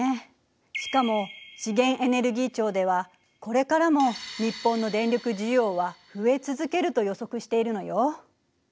しかも資源エネルギー庁ではこれからも日本の電力需要は増え続けると予測しているのよ。